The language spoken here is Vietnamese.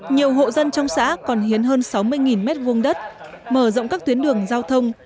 nhiều hộ dân trong xã còn hiến hơn sáu mươi m hai đất mở rộng các tuyến đường giao thông